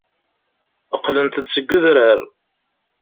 Qqlent-d seg udrar.